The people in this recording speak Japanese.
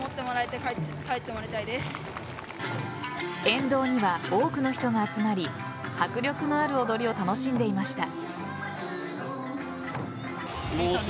沿道には多くの人が集まり迫力のある踊りを楽しんでいました。